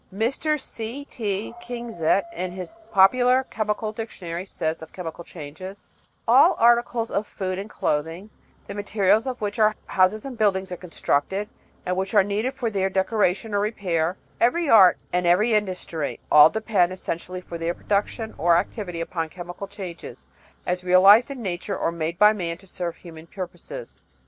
Mr. C. T. Kingzett, in his Popular Chemical Dictionary, says of chemical changes : All articles of food and clothing; the materials of which our houses and buildings are constructed and which are needed for their decoration or repair ; every art and every in dustry all depend essentially for their production or activity upon chemical changes as realised in nature or made by man to serve human purposes.